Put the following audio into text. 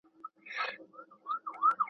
پوهنتونونه بايد پدې کار وکړي.